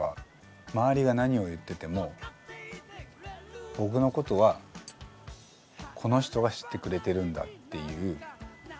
周りが何を言ってても僕のことはこの人が知ってくれてるんだっていう。